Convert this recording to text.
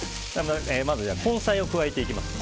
まず根菜を加えていきます。